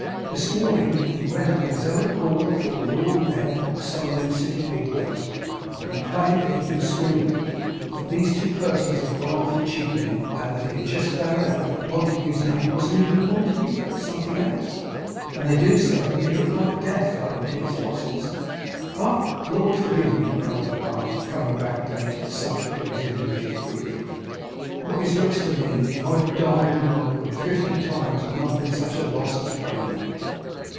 This morning he went up of his own accord afore the Lord Mayor or some of them City big wigs, and complained that he'd been swindled, and that these two persons had gone off and cheated him, and that he had just found out that Montague's name wasn't even Montague, but something else. And they do say that he looked like Death, owing to his losses. But, Lord forgive me,' cried the barber, coming back again to the subject of his individual grief, 'what's his looks to me! He might have died and welcome, fifty times, and not been such a loss as Bailey!